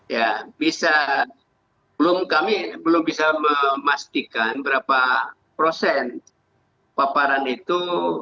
ya bisa kami belum bisa memastikan berapa persen paparan itu